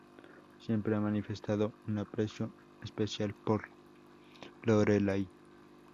Siempre ha manifestado un aprecio especial por Lorelai.